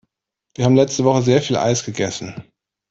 Wir haben letzte Woche sehr viel Eis gegessen.